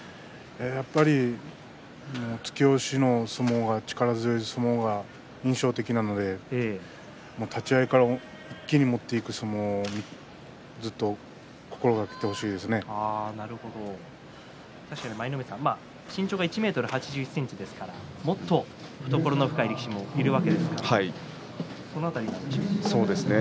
やっぱり突き押しの力強い相撲が印象的なので立ち合いから一気に持っていく相撲身長が１ｍ８１ｃｍですからもっと懐の深い力士もいるわけですからその辺りなんでしょうか。